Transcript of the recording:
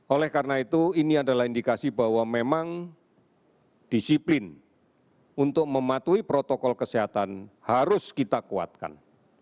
oleh karena itu ini adalah indikasi bahwa memang disiplin untuk mematuhi protokol kesehatan harus kita kuatkan